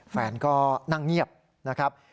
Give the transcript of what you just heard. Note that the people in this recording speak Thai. แฟนก็นั่งเงียบนะครับ